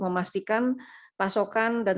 memastikan pasokan dan